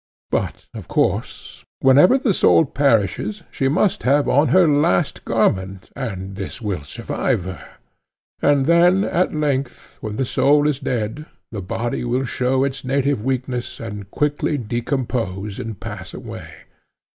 But of course, whenever the soul perishes, she must have on her last garment, and this will survive her; and then at length, when the soul is dead, the body will show its native weakness, and quickly decompose and pass away.